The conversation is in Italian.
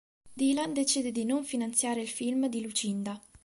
Dylan decide di non finanziare il film di Lucinda.